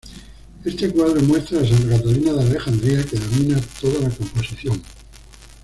Este cuadro muestra a Santa Catalina de Alejandría, que domina toda la composición.